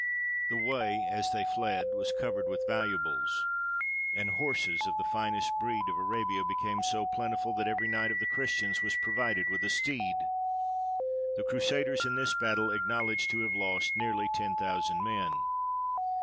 The way, as they fled, was covered with valuables, and horses of the finest breed of Arabia became so plentiful that every knight of the Christians was provided with a steed. The Crusaders, in this battle, acknowledge to have lost nearly ten thousand men.